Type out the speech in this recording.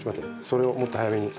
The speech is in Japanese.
それをもっと早めに。